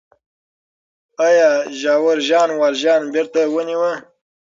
آیا ژاور ژان والژان بېرته ونیوه؟